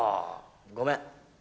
ごめん